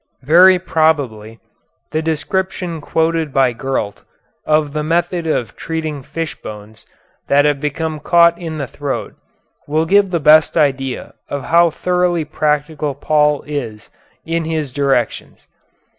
Very probably the description quoted by Gurlt of the method of treating fishbones that have become caught in the throat will give the best idea of how thoroughly practical Paul is in his directions.